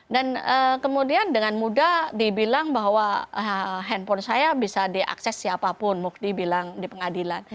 dan kemudian dengan mudah dibilang bahwa handphone saya bisa diakses siapapun mukdi bilang di pengadilan